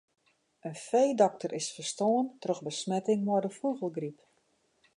In feedokter is ferstoarn troch besmetting mei de fûgelgryp.